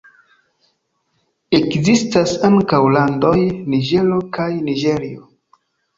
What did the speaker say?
Ekzistas ankaŭ landoj Niĝero kaj Niĝerio.